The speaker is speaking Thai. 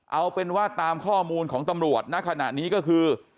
เอาเป็นว่าตามข้อมูลของตำรวจณขณะนี้ก็คือ